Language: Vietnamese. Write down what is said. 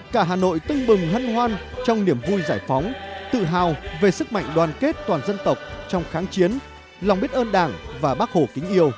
cả hà nội tưng bừng hân hoan trong niềm vui giải phóng tự hào về sức mạnh đoàn kết toàn dân tộc trong kháng chiến lòng biết ơn đảng và bác hồ kính yêu